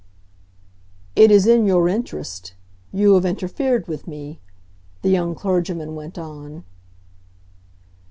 "It is in your interest; you have interfered with me," the young clergyman went on.